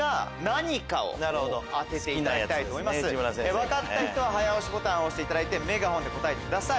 分かった人は早押しボタンを押していただいてメガホンで答えてください。